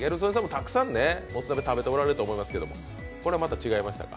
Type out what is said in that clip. たくさん食べておられると思いますが、これ、また違いましたか？